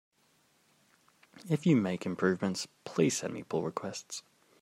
If you make improvements, please send me pull requests!